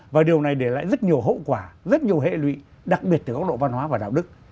và điều này để lại rất nhiều hậu quả rất nhiều hệ lụy đặc biệt từ góc độ văn hóa và đạo đức